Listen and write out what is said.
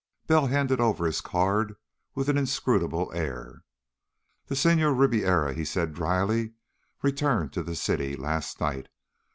Bell handed over his card with an inscrutable air. "The Senhor Ribiera," he said drily, "returned to the city last night.